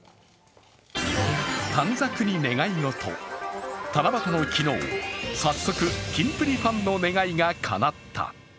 短冊に願い事、七夕の昨日早速キンプリファンの願いがかなった。